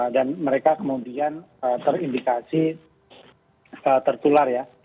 dan mereka kemudian terindikasi tertular ya